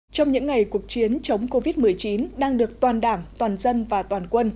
trong những ngày cuộc chiến chống covid một mươi chín đang được toàn đảng toàn dân và toàn quân